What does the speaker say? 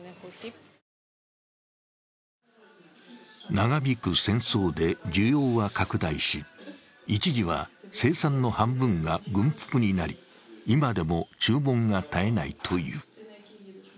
長引く戦争で需要は拡大し、一時は生産の半分が軍服になり今でも注文が絶えないという。